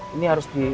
ini harus di